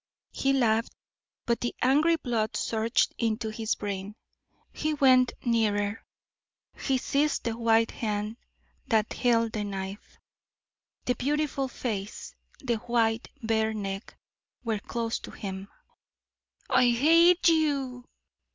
He laughed, but the angry blood surged into his brain. He went nearer; he seized the white hand that held the knife. The beautiful face, the white, bare neck were close to him. "I hate you!"